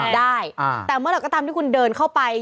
ได้แต่เมื่อไหร่ก็ตามที่คุณเดินเข้าไป